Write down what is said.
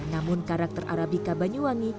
namun karakter arabika banyuwangi